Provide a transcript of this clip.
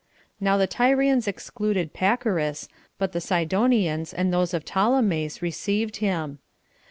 Now the Tyrians excluded Pacorus, but the Sidonians and those of Ptolemais received him.